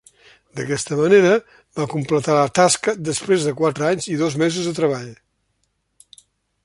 D'aquesta manera va completar la tasca després de quatre anys i dos mesos de treball.